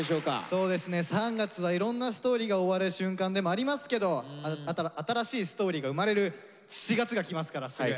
そうですね３月はいろんなストーリーが終わる瞬間でもありますけど新しいストーリーが生まれる４月がきますからすぐ。